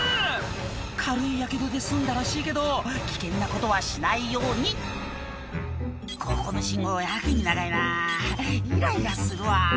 軽いヤケドで済んだらしいけど危険なことはしないように「ここの信号やけに長いなイライラするわ」